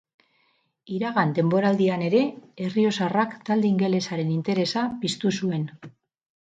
Iragan denboraldian ere errioxarrak talde ingelesaren interesa piztu zuen.